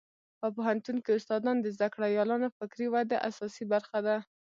په پوهنتون کې استادان د زده کړیالانو د فکري ودې اساسي برخه ده.